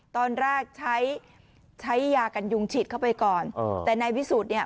ตอนแรกใช้ใช้ยากันยุงฉีดเข้าไปก่อนแต่นายวิสูจน์เนี่ย